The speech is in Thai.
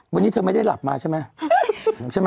วันนี้เธอไม่ได้หลับมาใช่ไหม